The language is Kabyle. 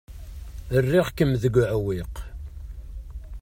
Rriɣ-kem deg uɛewwiq.